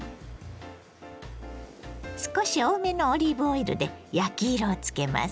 少し多めのオリーブオイルで焼き色をつけます。